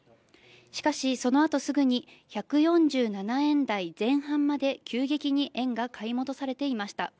しかし、そのあとすぐに１４７円台前半まで急激に円が買い戻されていました。